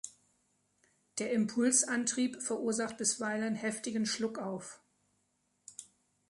Der Impulsantrieb verursacht bisweilen heftigen Schluckauf.